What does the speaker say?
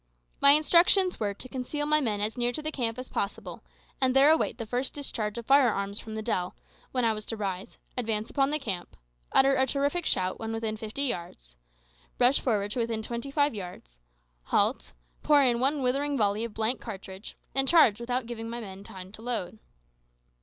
My instructions were, to conceal my men as near to the camp as possible, and there await the first discharge of firearms from the dell, when I was to rise, advance upon the camp, utter a terrific shout when within fifty yards, rush forward to within twenty five yards, halt, pour in one withering volley of blank cartridge, and charge without giving my men time to load.